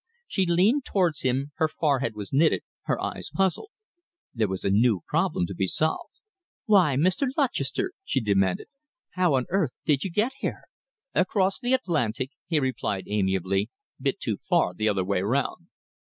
She leaned towards him. Her forehead was knitted, her eyes puzzled. There was a new problem to be solved. "Why, Mr. Lutchester," she demanded, "how on earth did you get here?" "Across the Atlantic," he replied amiably. "Bit too far the other way round."